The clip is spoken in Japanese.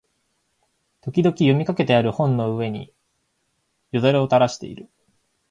時々読みかけてある本の上に涎をたらしている